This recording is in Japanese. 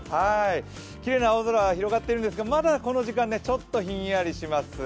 きれいな青空が広がっているんですがまだこの時間ちょっとひんやりします。